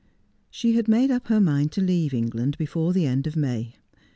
She had made up her mind to leave England before the end of May.